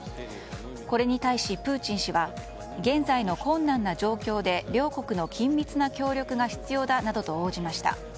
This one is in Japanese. これに対しプーチン氏は現在の困難な状況で両国の緊密な協力が必要だなどと応じました。